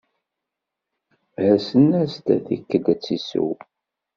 Herrsen-as-d tikedt ad tt-isew.